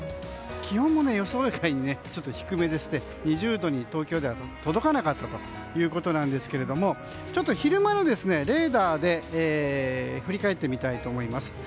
気温も予想外に低めでして２０度に東京では届かなかったということですけど昼間のレーダーで振り返ってみたいと思います。